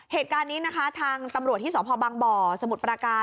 เหตุการณ์นี้นะคะทางตำรวจที่สพบังบ่อสมุทรปราการ